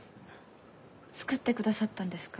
作ってくださったんですか？